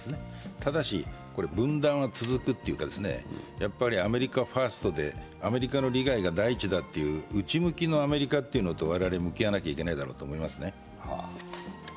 ただし、分断は続くというかアメリカ・ファーストでアメリカの利害が第一だという内向きのアメリカというのと我々、向き合わなければいけないだろうと思いますね。